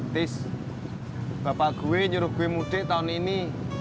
terus bapak gue nyuruh gue mudik tahun ini